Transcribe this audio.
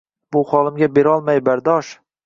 Bu xolimga berolmay bardosh